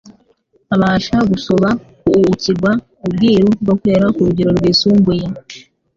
abasha gusobauukirwa ubwiru bwo kwera ku rugero rwisumbuye.